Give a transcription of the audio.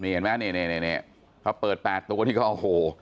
นี่เห็นไหมนี่นี่นี่นี่นี่ถ้าเปิดแปดตัวนี้ก็โอ้โห